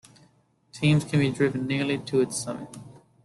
Teams can be driven nearly to its summit.